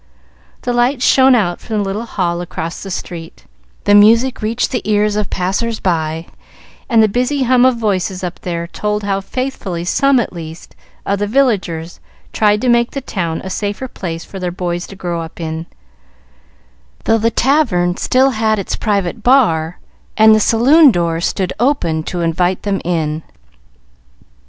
The lights shone out from the little hall across the street, the music reached the ears of passers by, and the busy hum of voices up there told how faithfully some, at least, of the villagers tried to make the town a safer place for their boys to grow up in, though the tavern still had its private bar and the saloon door stood open to invite them in.